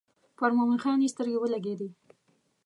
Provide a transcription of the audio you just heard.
پر مومن خان یې سترګې ولګېدې.